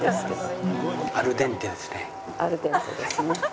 アルデンテですね。